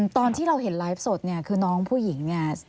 ตอนที่เราเห็นไลฟ์สดเนี่ยคือน้องผู้หญิงเนี่ย